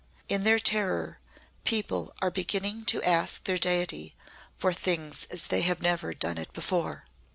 In their terror people are beginning to ask their Deity for things as they have never done it before.